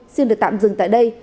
xin được tạm dừng tại đây